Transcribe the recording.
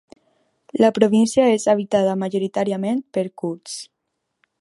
La província és habitada majoritàriament per kurds.